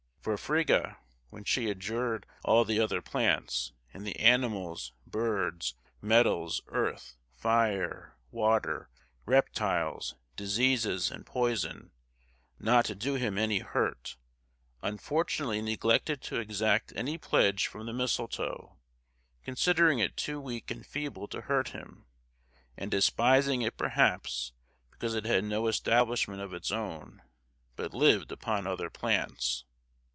For Friga, when she adjured all the other plants, and the animals, birds, metals, earth, fire, water, reptiles, diseases, and poison, not to do him any hurt, unfortunately neglected to exact any pledge from the misletoe, considering it too weak and feeble to hurt him, and despising it perhaps because it had no establishment of its own, but lived upon other plants.